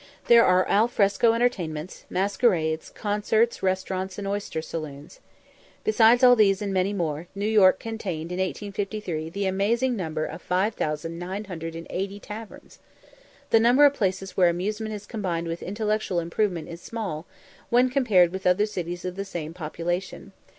There are al fresco entertainments, masquerades, concerts, restaurants, and oyster saloons. Besides all these, and many more, New York contained in 1853 the amazing number of 5980 taverns. The number of places where amusement is combined with intellectual improvement is small, when compared with other cities of the same population.